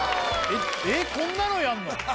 こんなのやんの？